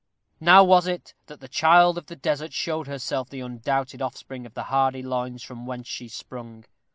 Now was it that the child of the desert showed herself the undoubted offspring of the hardy loins from whence she sprung.